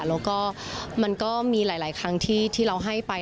แล้วก็มันก็มีหลายครั้งที่เราให้ไป